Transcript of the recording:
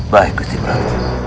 baik ust ibrahim